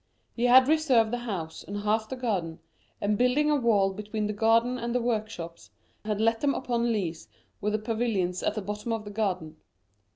He had reserved the house and half the garden, and building a wall between the garden and the workshops, had let them upon lease with the pavilions at the bottom of the garden.